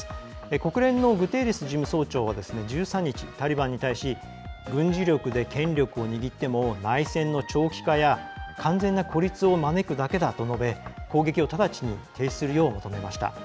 国連のグテーレス事務総長は１３日、タリバンに対し軍事力で権力を握っても内戦の長期化や完全な孤立を招くだけだと述べ攻撃を直ちに停止するよう求めました。